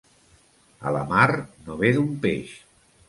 A la mar, no ve d'un peix.